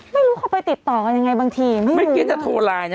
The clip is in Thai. ไม่รู้เขาไปติดต่อกันยังไงบางทีไม่รู้เมื่อกี้จะโทรไลน์นะ